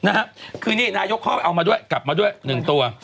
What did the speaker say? นะฮะคือนี่นายยกข้อเอามาด้วยกลับมาด้วย๑ตัว